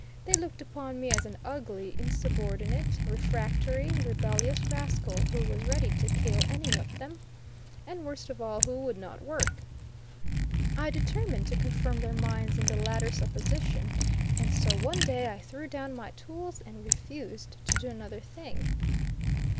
They looked upon me as an ugly, insubordinate, refractory, rebellious rascal, who was ready to kill any of them, and, worst of all, who would not work. I determined to confirm their minds in the latter supposition, and so one day I threw down my tools and refused to do another thing.